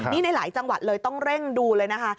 นี่ในหลายจังหวัดเลยต้องเร่งดูเลยนะคะ